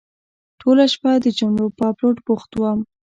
ټوله شپه د جملو په اپلوډ بوخت وم.